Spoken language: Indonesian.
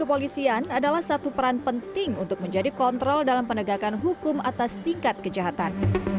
kepolisian adalah satu peran penting untuk menjadi kontrol dalam penegakan hukum atas tingkat kejahatan